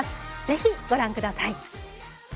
ぜひご覧ください。